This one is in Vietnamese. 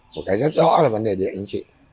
một cái rất rõ là vấn đề định